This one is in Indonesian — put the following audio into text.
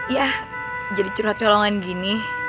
iya jadi curhat solongan gini